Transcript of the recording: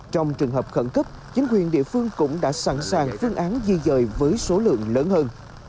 trong trường hợp khẩn cấp chính quyền địa phương cũng đã sẵn sàng phương án di dời với số lượng lớn hơn